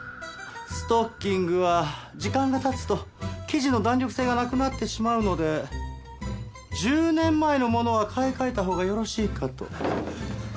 ストッキングは時間が経つと生地の弾力性がなくなってしまうので１０年前のものは買い替えたほうがよろしいかと。